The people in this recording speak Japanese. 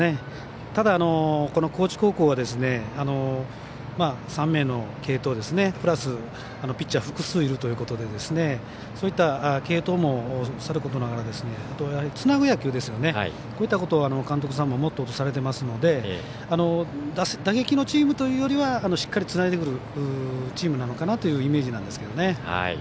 ただ、高知高校は３名の継投プラスピッチャー複数いるということでそういった継投もさることながらつなぐ野球、こういったことを監督さんもモットーとされていますので打撃のチームというよりはしっかりつないでくるチームなのかなというイメージですね。